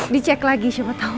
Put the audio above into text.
dicek lagi siapa tau